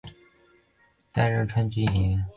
担任川剧演员。